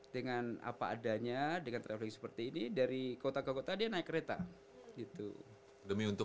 dengan apa adanya dengan traveling seperti ini dari kota ke kota dia naik kereta gitu demi untuk